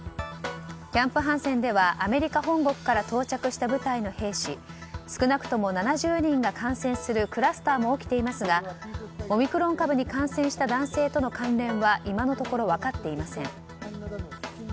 キャンプ・ハンセンではアメリカ本国から到着した部隊の兵士少なくとも７０人が感染するクラスターも起きていますがオミクロン株に感染した男性との関連は今のところ分かっていません。